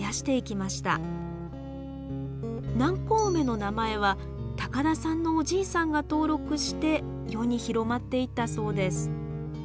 南高梅の名前は高田さんのおじいさんが登録して世に広まっていったそうです。